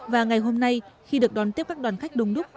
và ngày hôm nay khi được đón tiếp các đoàn khách đông đúc